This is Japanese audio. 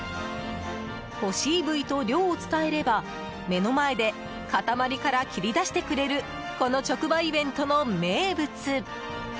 欲しい部位と量を伝えれば目の前で塊から切り出してくれるこの直売イベントの名物。